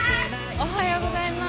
おはようございます。